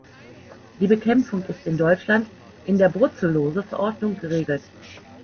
Die Bekämpfung ist in Deutschland in der Brucellose-Verordnung geregelt.